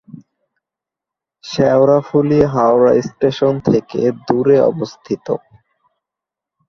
Sheoraphuli Howrah station থেকে দূরে অবস্থিত।